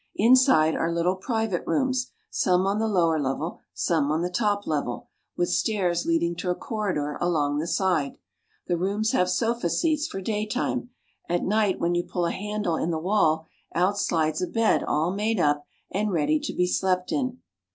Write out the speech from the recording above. Inside are little private rooms, some on the lower level, some on the top level, with stairs leading to a corridor along the side. The rooms have sofa seats for daytime. At night, when you pull a handle in the wall, out slides a bed all made up and ready to be slept in.